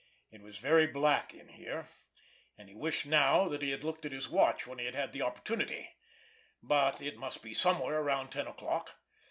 It was very black in here, and he wished now that he had looked at his watch when he had had the opportunity; but it must be somewhere around ten o'clock.